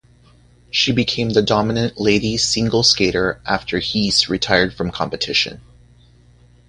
She became the dominant ladies' single skater after Heiss retired from competition.